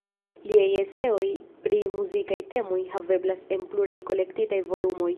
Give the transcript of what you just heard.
Liaj eseoj pri muzikaj temoj haveblas en pluraj kolektitaj volumoj.